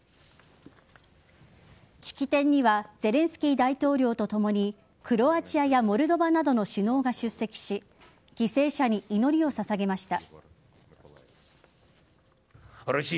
式典にはゼレンスキー大統領とともにクロアチアやモルドバなどの首脳が出席し犠牲者に祈りを捧げました。